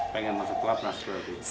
pengen masuk pelatnas